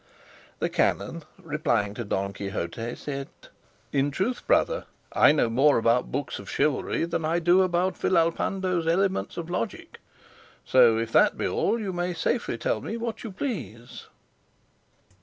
The canon, replying to Don Quixote, said, "In truth, brother, I know more about books of chivalry than I do about Villalpando's elements of logic; so if that be all, you may safely tell me what you please."